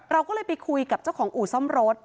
เราก็เลยไปคุยกับเจ้าของอู่ซ่อมรถ